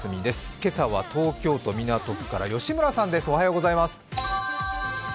今朝は東京都港区から吉村さんです。